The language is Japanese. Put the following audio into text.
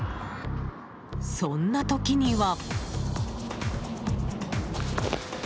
そんな時には。